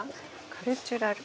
カルチュラル